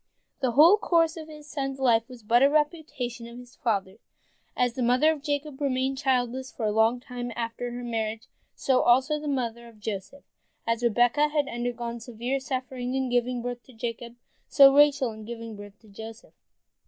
The whole course of the son's life is but a repetition of the father's. As the mother of Jacob remained childless for a long time after her marriage, so also the mother of Joseph. As Rebekah had undergone severe suffering in giving birth to Jacob, so Rachel in giving birth to Joseph.